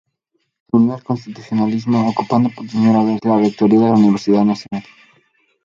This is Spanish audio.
Se unió al constitucionalismo, ocupando por primera vez la Rectoría de la Universidad Nacional.